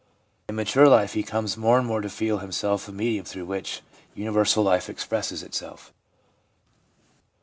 In mature life he comes more and more to feel himself a medium through which universal life expresses itself.